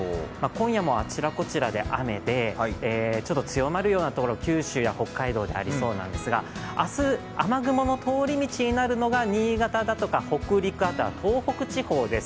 今夜もあちらこちらで雨でちょっと強まるようなところ九州や北海道でありそうなんですが明日、雨雲の通り道になるのが新潟だとか北陸、あとは東北地方です。